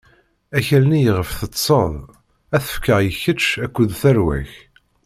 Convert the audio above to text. Akal-nni iɣef teṭṭṣeḍ, ad t-fkeɣ i kečč akked tarwa-k.